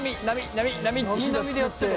波波でやってたわ。